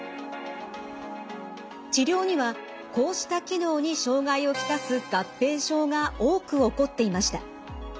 治療にはこうした機能に障害を来す合併症が多く起こっていました。